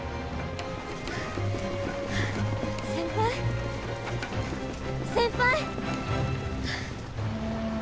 先輩先輩！